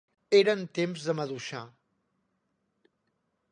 Era en temps de maduixar.